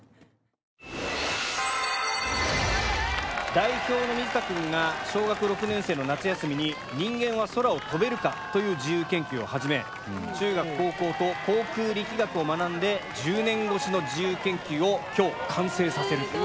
代表の水田くんが小学６年生の夏休みに人間は空を飛べるかという自由研究を始め中学高校と航空力学を学んで１０年越しの自由研究を今日完成させるという。